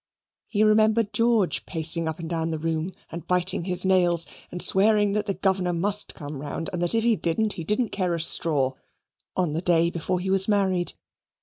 He remembered George pacing up and down the room, and biting his nails, and swearing that the Governor must come round, and that if he didn't, he didn't care a straw, on the day before he was married.